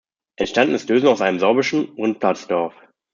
Entstanden ist Dösen aus einem sorbischen Rundplatzdorf.